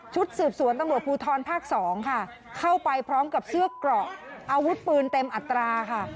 สืบสวนตำรวจภูทรภาค๒ค่ะเข้าไปพร้อมกับเสื้อเกราะอาวุธปืนเต็มอัตราค่ะ